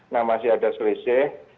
nah masih ada selisih